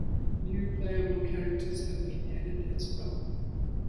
New playable characters have been added as well.